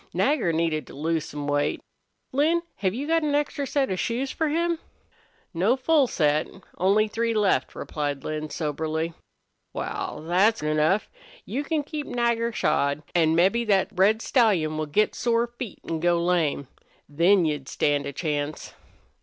"Nagger needed to lose some weight. Lin, have you got an extra set of shoes for him?" "No full set. Only three left," replied Lin, soberly. "Wal, thet's enough. You can keep Nagger shod. An' mebbe thet red stallion will get sore feet an' go lame. Then you'd stand a chance."